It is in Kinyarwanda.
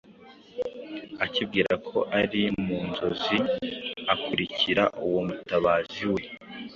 acyibwira ko ari mu nzozi akurikira uwo mutabazi we.